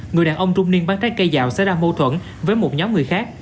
người đàn ông trung niên bán trái cây dạo xảy ra mâu thuẫn với một nhóm người khác